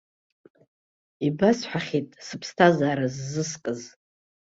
Ибасҳәахьеит сыԥсҭазаара ззыскыз.